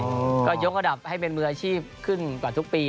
ก็ยกระดับให้เป็นมืออาชีพขึ้นกว่าทุกปี